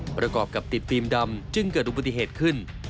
ประกอบกับติดฟิล์มดำจึงเกิดอุบัติเหตุขึ้น